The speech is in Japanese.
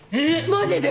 マジで！？